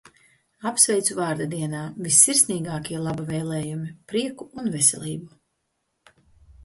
Apsveicu vārda dienā. Vissirsnīgākie laba vēlējumi. Prieku un veselību!